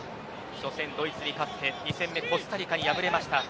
初戦、ドイツに勝って２戦目のコスタリカには破れました。